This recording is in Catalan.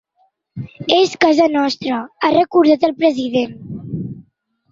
És casa nostra, ha recordat el president.